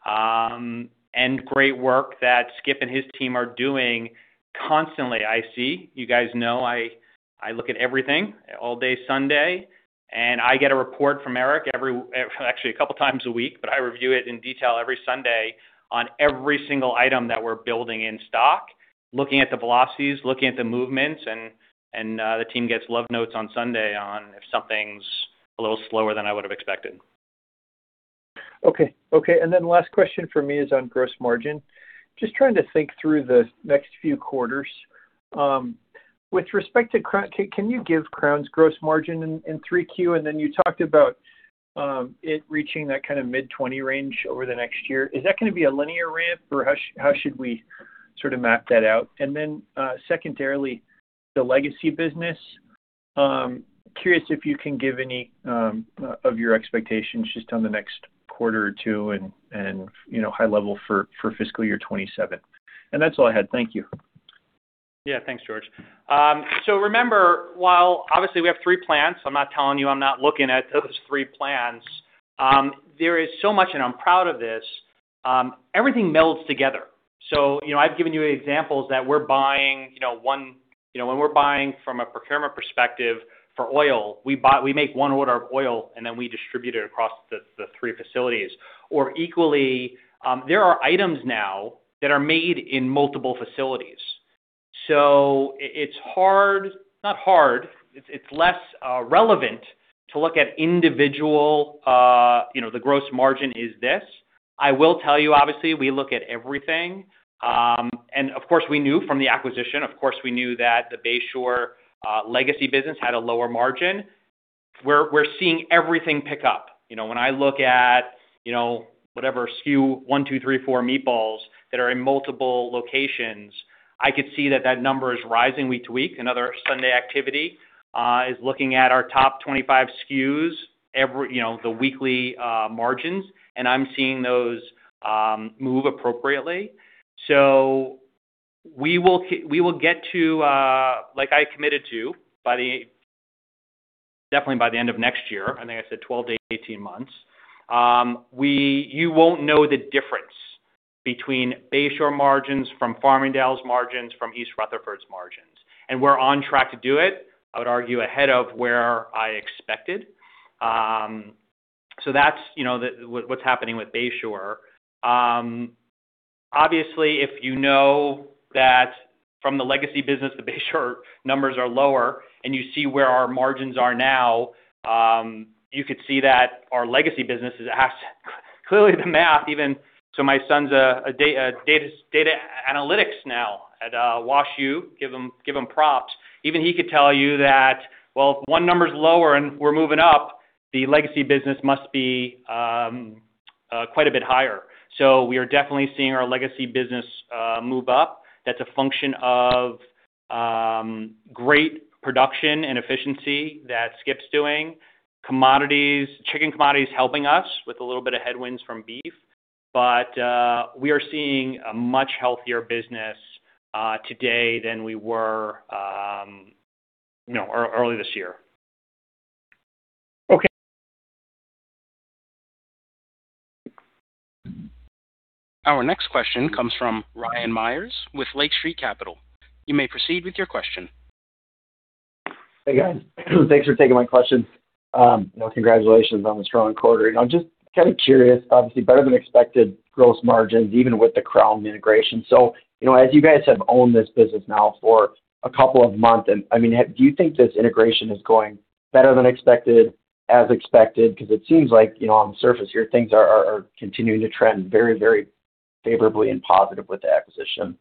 And great work that Skip and his team are doing constantly, I see. You guys know I look at everything all day Sunday. And I get a report from Eric, actually a couple of times a week, but I review it in detail every Sunday on every single item that we're building in stock, looking at the velocities, looking at the movements. And the team gets love notes on Sunday on if something's a little slower than I would have expected. Okay. Okay. And then last question for me is on gross margin. Just trying to think through the next few quarters. With respect to Crown, can you give Crown's gross margin in 3Q? And then you talked about it reaching that kind of mid-20 range over the next year. Is that going to be a linear ramp, or how should we sort of map that out? And then secondarily, the legacy business. Curious if you can give any of your expectations just on the next quarter or two and high level for fiscal year 2027. And that's all I had. Thank you. Yeah. Thanks, George. So remember, while obviously we have three plants, I'm not telling you I'm not looking at those three plants. There is so much, and I'm proud of this. Everything melds together. So I've given you examples that we're buying one when we're buying from a procurement perspective for oil. We make one order of oil, and then we distribute it across the three facilities. Or equally, there are items now that are made in multiple facilities. So it's hard, not hard. It's less relevant to look at individual, the gross margin is this. I will tell you, obviously, we look at everything. Of course, we knew from the acquisition. Of course, we knew that the Bay Shore legacy business had a lower margin. We're seeing everything pick up. When I look at whatever SKU 1, 2, 3, 4 meatballs that are in multiple locations, I could see that that number is rising week to week. Another Sunday activity is looking at our top 25 SKUs, the weekly margins. And I'm seeing those move appropriately. So we will get to, like I committed to, definitely by the end of next year. I think I said 12-18 months. You won't know the difference between Bay Shore margins from Farmingdale's margins, from East Rutherford's margins. And we're on track to do it. I would argue ahead of where I expected. So that's what's happening with Bay Shore. Obviously, if you know that from the legacy business, the Bay Shore numbers are lower, and you see where our margins are now, you could see that our legacy business has clearly the math. Even so, my son's a data analytics now at WashU. Give him props. Even he could tell you that, well, if one number's lower and we're moving up, the legacy business must be quite a bit higher. So we are definitely seeing our legacy business move up. That's a function of great production and efficiency that Skip's doing. Chicken commodities helping us, with a little bit of headwinds from beef. But we are seeing a much healthier business today than we were early this year. Okay. Our next question comes from Ryan Meyers with Lake Street Capital. You may proceed with your question. Hey, guys. Thanks for taking my question. Congratulations on the strong quarter. Just kind of curious, obviously, better than expected gross margins even with the Crown integration. So as you guys have owned this business now for a couple of months, I mean, do you think this integration is going better than expected, as expected? Because it seems like on the surface here, things are continuing to trend very, very favorably and positive with the acquisition.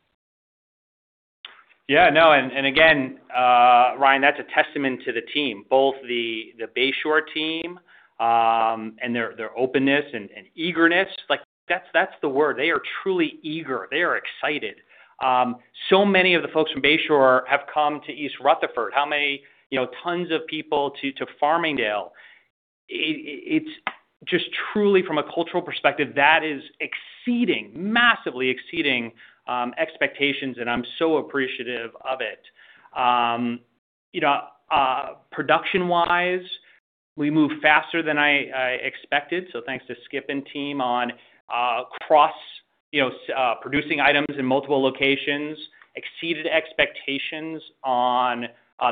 Yeah. No. And again, Ryan, that's a testament to the team, both the Bay Shore team and their openness and eagerness. That's the word. They are truly eager. They are excited. So many of the folks from Bay Shore have come to East Rutherford. How many tons of people to Farmingdale? It's just truly, from a cultural perspective, that is exceeding, massively exceeding expectations. And I'm so appreciative of it. Production-wise, we moved faster than I expected. So, thanks to Skip and team on cross-producing items in multiple locations, exceeded expectations on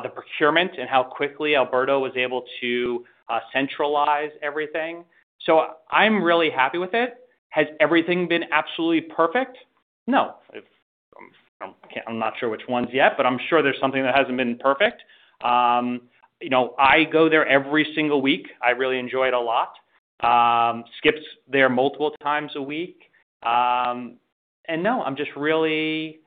the procurement and how quickly Alberto was able to centralize everything. So, I'm really happy with it. Has everything been absolutely perfect? No. I'm not sure which ones yet, but I'm sure there's something that hasn't been perfect. I go there every single week. I really enjoy it a lot. Skip's there multiple times a week. And no, I'm just really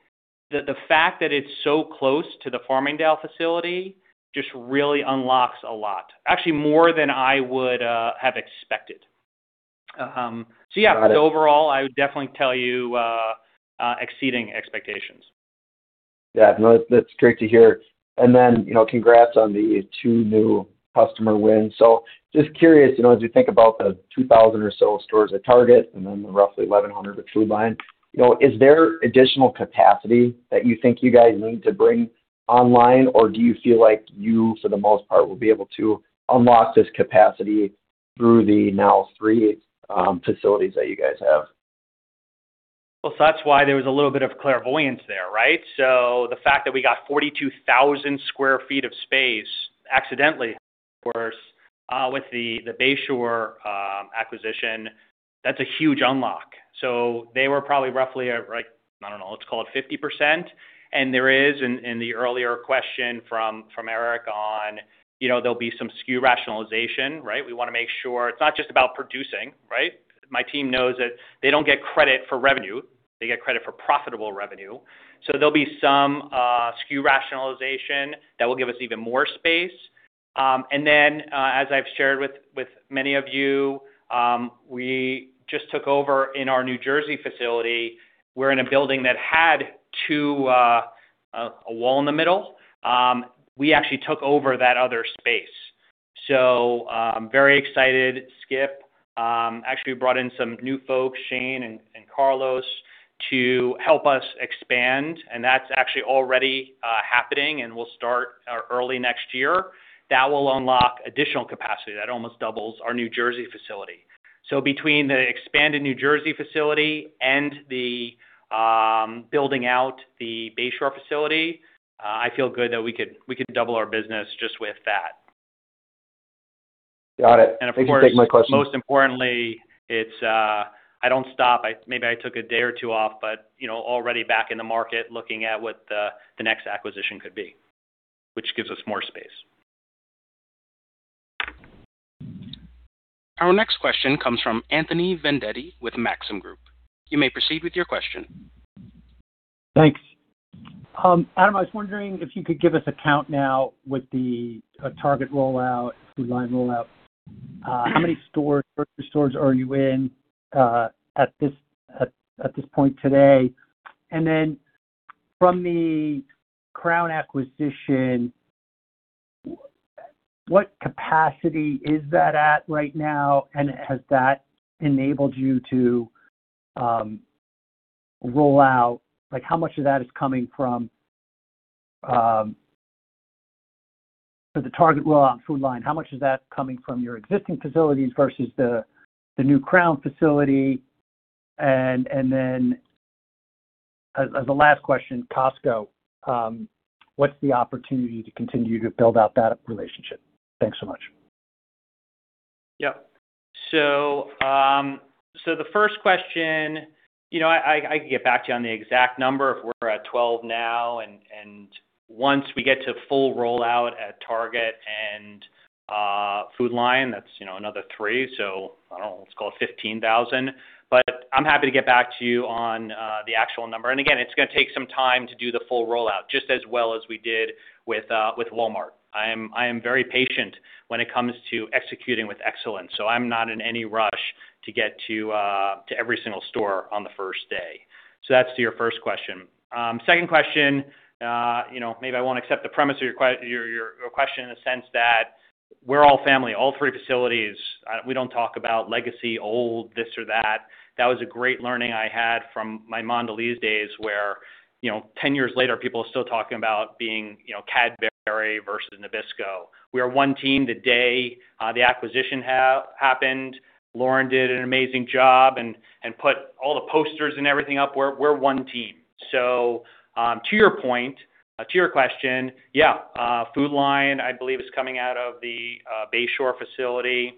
the fact that it's so close to the Farmingdale facility just really unlocks a lot, actually more than I would have expected. So yeah, overall, I would definitely tell you exceeding expectations. Yeah. No, that's great to hear. And then congrats on the two new customer wins. Just curious, as you think about the 2,000 or so stores at Target and then the roughly 1,100 at Food Lion, is there additional capacity that you think you guys need to bring online, or do you feel like you, for the most part, will be able to unlock this capacity through the now three facilities that you guys have? That's why there was a little bit of clairvoyance there, right? So the fact that we got 42,000 sq ft of space accidentally with the Bay Shore acquisition, that's a huge unlock. So they were probably roughly at, I don't know, let's call it 50%. And there is, in the earlier question from Eric on there'll be some SKU rationalization, right? We want to make sure it's not just about producing, right? My team knows that they don't get credit for revenue. They get credit for profitable revenue. So there'll be some SKU rationalization that will give us even more space. And then, as I've shared with many of you, we just took over in our New Jersey facility. We're in a building that had a wall in the middle. We actually took over that other space. So very excited, Skip. Actually brought in some new folks, Shane and Carlos, to help us expand. And that's actually already happening, and we'll start early next year. That will unlock additional capacity. That almost doubles our New Jersey facility. So between the expanded New Jersey facility and the building out the Bay Shore facility, I feel good that we could double our business just with that. Got it. And of course, most importantly, I don't stop. Maybe I took a day or two off, but already back in the market looking at what the next acquisition could be, which gives us more space. Our next question comes from Anthony Vendetti with Maxim Group. You may proceed with your question. Thanks. Adam, I was wondering if you could give us a count now with the Target rollout, Food Lion rollout. How many stores are you in at this point today? And then from the Crown acquisition, what capacity is that at right now? And has that enabled you to roll out? How much of that is coming from the Target rollout and Food Lion? How much is that coming from your existing facilities versus the new Crown facility? And then as a last question, Costco, what's the opportunity to continue to build out that relationship? Thanks so much. Yep. So, the first question: I could get back to you on the exact number if we're at 12 now. And once we get to full rollout at Target and Food Lion, that's another three. So I don't know. Let's call it 15,000. But I'm happy to get back to you on the actual number. And again, it's going to take some time to do the full rollout, just as well as we did with Walmart. I am very patient when it comes to executing with excellence. So I'm not in any rush to get to every single store on the first day. So that's your first question. Second question: maybe I won't accept the premise of your question in the sense that we're all family. All three facilities, we don't talk about legacy, old, this or that. That was a great learning I had from my Mondelēz days where 10 years later, people are still talking about being Cadbury versus Nabisco. We are one team the day the acquisition happened. Lauren did an amazing job and put all the posters and everything up. We're one team. So, to your point, to your question, yeah, Food Lion, I believe, is coming out of the Bay Shore facility.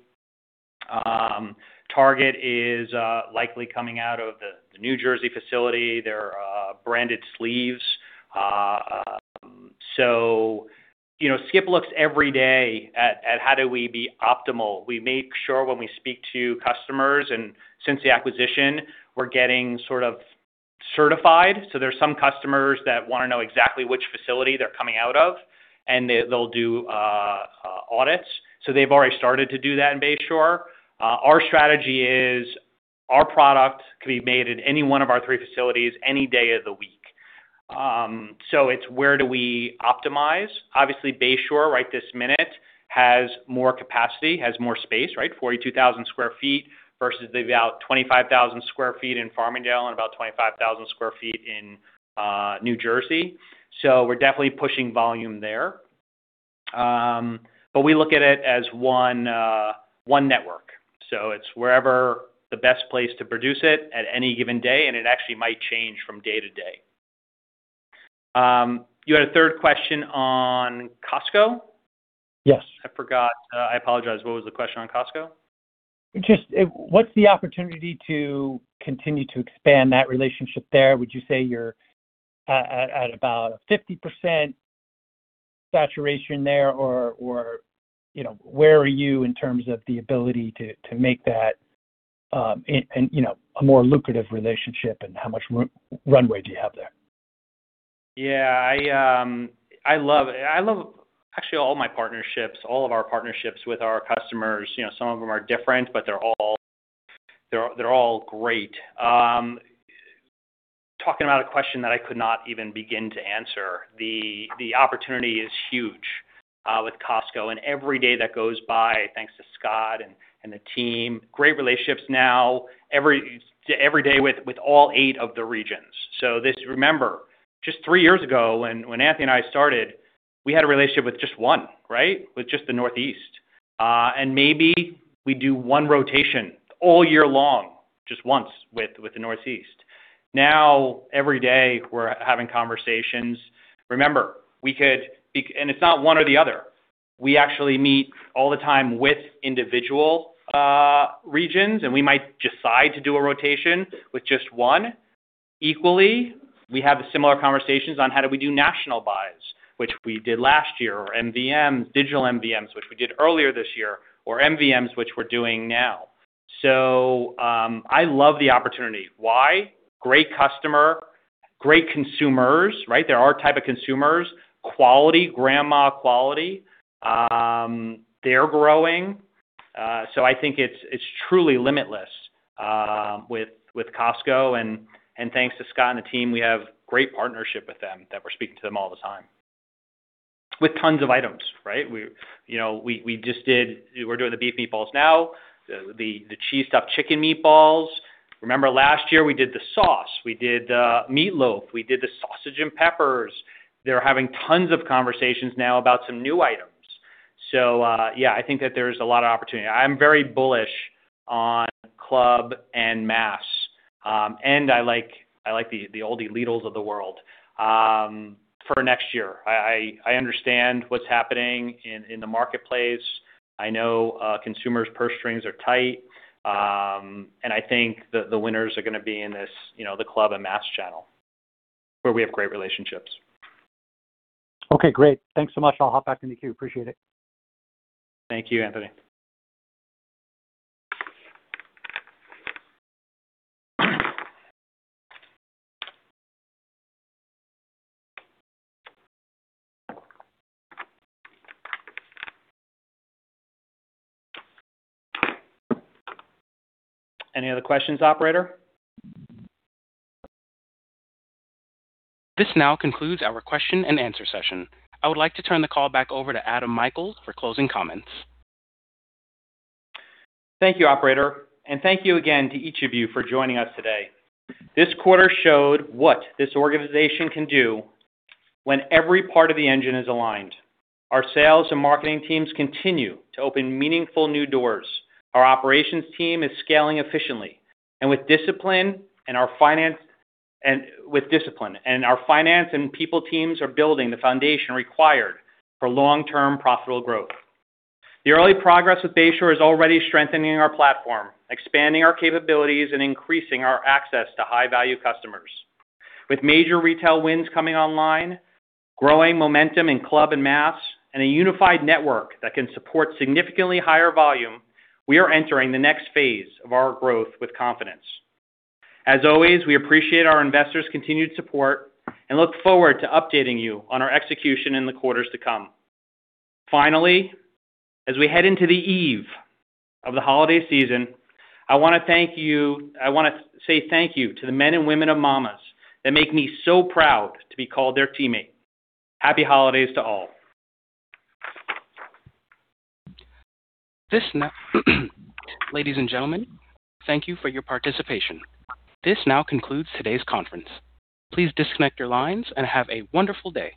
Target is likely coming out of the New Jersey facility. They're branded sleeves. So, Skip looks every day at how do we be optimal. We make sure when we speak to customers and since the acquisition, we're getting sort of certified. So, there's some customers that want to know exactly which facility they're coming out of, and they'll do audits. So, they've already started to do that in Bay Shore. Our strategy is our product can be made in any one of our three facilities any day of the week. So, it's where do we optimize? Obviously, Bay Shore right this minute has more capacity, has more space, right? 42,000 sq ft versus about 25,000 sq ft in Farmingdale and about 25,000 sq ft in New Jersey. So, we're definitely pushing volume there. But we look at it as one network. So, it's wherever the best place to produce it at any given day. And it actually might change from day to day. You had a third question on Costco? Yes. I forgot. I apologize. What was the question on Costco? Just what's the opportunity to continue to expand that relationship there? Would you say you're at about a 50% saturation there? Or where are you in terms of the ability to make that a more lucrative relationship and how much runway do you have there? Yeah. I love actually all my partnerships, all of our partnerships with our customers. Some of them are different, but they're all great. Talking about a question that I could not even begin to answer, the opportunity is huge with Costco, and every day that goes by, thanks to Scott and the team, great relationships now every day with all eight of the regions, so remember, just three years ago when Anthony and I started, we had a relationship with just one, right? With just the Northeast, and maybe we do one rotation all year long just once with the Northeast. Now, every day we're having conversations. Remember, we could be and it's not one or the other. We actually meet all the time with individual regions. And we might decide to do a rotation with just one. Equally, we have similar conversations on how do we do national buys, which we did last year, or digital MVMs, which we did earlier this year, or MVMs, which we're doing now. So, I love the opportunity. Why? Great customer, great consumers, right? They're our type of consumers. Quality, grandma quality. They're growing. So, I think it's truly limitless with Costco. And thanks to Scott and the team, we have great partnership with them that we're speaking to them all the time with tons of items, right? We're doing the beef meatballs now, the cheese stuffed chicken meatballs. Remember last year we did the sauce. We did the meatloaf. We did the sausage and peppers. They're having tons of conversations now about some new items. So yeah, I think that there's a lot of opportunity. I'm very bullish on Club and Mass. And I like the Aldi, Lidl's of the world for next year. I understand what's happening in the marketplace. I know consumers' purse strings are tight. And I think the winners are going to be in the Club and Mass channel where we have great relationships. Okay. Great. Thanks so much. I'll hop back in the queue. Appreciate it. Thank you, Anthony. Any other questions, operator? This now concludes our question-and answer session. I would like to turn the call back over to Adam Michaels for closing comments. Thank you, operator. And thank you again to each of you for joining us today. This quarter showed what this organization can do when every part of the engine is aligned. Our sales and marketing teams continue to open meaningful new doors. Our operations team is scaling efficiently. With discipline, our finance and people teams are building the foundation required for long-term profitable growth. The early progress with Bay Shore is already strengthening our platform, expanding our capabilities, and increasing our access to high-value customers. With major retail wins coming online, growing momentum in Club and Mass, and a unified network that can support significantly higher volume, we are entering the next phase of our growth with confidence. As always, we appreciate our investors' continued support and look forward to updating you on our execution in the quarters to come. Finally, as we head into the eve of the holiday season, I want to thank you. I want to say thank you to the men and women of Mama's that make me so proud to be called their teammate. Happy holidays to all. Ladies and gentlemen, thank you for your participation. This now concludes today's conference. Please disconnect your lines and have a wonderful day.